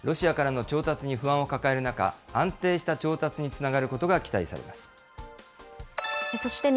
ロシアからの調達に不安を抱える中、安定した調達につながることが期待されます。